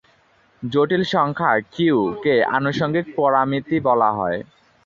জটিল সংখ্যা "কিউ"-কে আনুষঙ্গিক পরামিতি বলা হয়।